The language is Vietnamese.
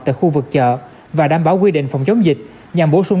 tại khu vực chợ và đảm bảo quy định phòng chống dịch nhằm bổ sung